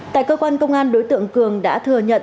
tại cơ quan công an đối tượng cường đã thừa nhận